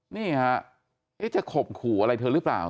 นี่ฮะจะข่มขู่อะไรเธอหรือเปล่า